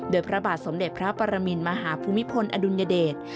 โดยพระบาทสมเด็จพระปรมินมหาภูมิพลอดุลยเดช